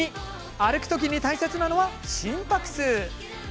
歩く時に大切なのは心拍数。